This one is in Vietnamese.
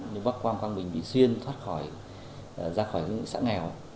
như bắc quang quang bình bị xuyên thoát khỏi ra khỏi những xã nghèo